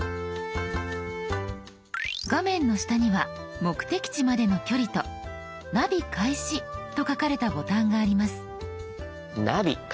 画面の下には目的地までの距離と「ナビ開始」と書かれたボタンがあります。